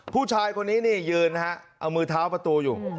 ผู้ชายคนนี้นี่ยืนนะฮะเอามือเท้าประตูอยู่